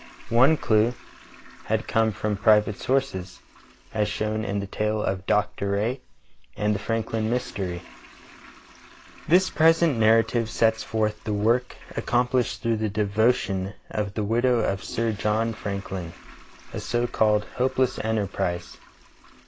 One clew had come from private sources, as shown in the tale of "Dr. Rae and the Franklin Mystery." This present narrative sets forth the work accom plished through the devotion of the widow of Sir John Franklin, in a so called hopeless enterprise.